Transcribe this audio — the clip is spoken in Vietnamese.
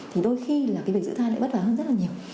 thì đôi khi là cái việc giữ thai lại vất vả hơn rất là nhiều